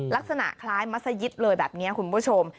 ลักษณะคล้ายมัศยิตเลยแบบนี้คุณผู้ชม